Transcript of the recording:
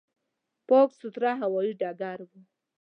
پاک، سوتره هوایي ډګر و.